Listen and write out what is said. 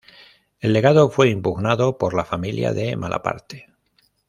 El legado fue impugnado por la familia de Malaparte.